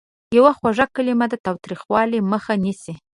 یوه خوږه کلمه د تاوتریخوالي مخه نیسي.